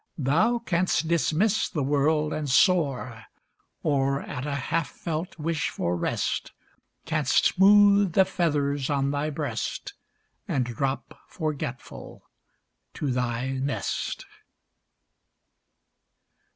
Thou canst dismiss the world and soar, Or, at a half felt wish for rest. Canst smooth the feathers on thy breast, And drop, forgetful, to thy nest.